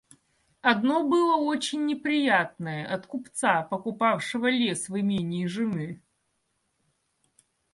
Одно было очень неприятное — от купца, покупавшего лес в имении жены.